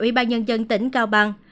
ủy ban nhân dân tỉnh cao bằng